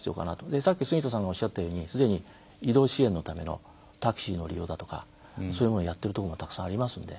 さっき杉田さんがおっしゃったようにすでに移動支援のためのタクシーの利用だとかそういうものやっているところもたくさんありますので。